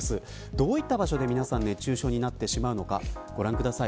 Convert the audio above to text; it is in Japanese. どういった場所で熱中症になってしまうのかご覧ください。